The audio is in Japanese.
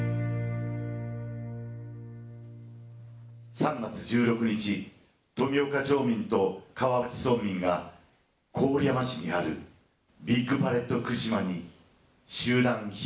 「三月十六日富岡町民と川内村民が郡山市にあるビッグパレットふくしまに集団避難した」。